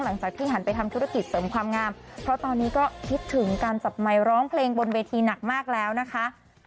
หลังจากที่หันไปทำธุรกิจเสริมความงามเพราะตอนนี้ก็คิดถึงการจับไมค์ร้องเพลงบนเวทีหนักมากแล้วนะคะ